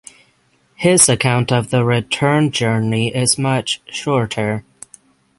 His account of the return journey is much shorter.